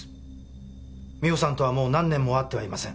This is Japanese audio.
美穂さんとはもう何年も会ってはいません。